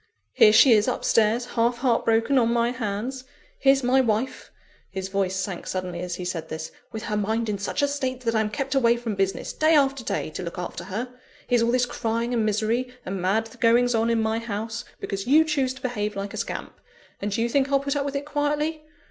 Here she is up stairs, half heart broken, on my hands; here's my wife" (his voice sank suddenly as he said this) "with her mind in such a state that I'm kept away from business, day after day, to look after her; here's all this crying and misery and mad goings on in my house, because you choose to behave like a scamp and do you think I'll put up with it quietly?